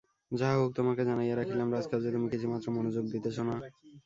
যাহা হউক, তােমাকে জানাইয়া রাখিলাম, রাজকার্যে তুমি কিছুমাত্র মনােযােগ দিতেছ না।